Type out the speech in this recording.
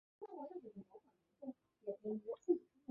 正是母亲的经历引发了弗里丹对女性问题最初的关注。